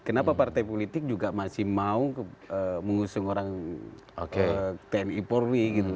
kenapa partai politik juga masih mau mengusung orang tni polri gitu